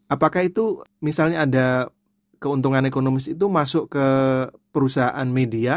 apakah itu misalnya ada keuntungan ekonomis itu masuk ke perusahaan media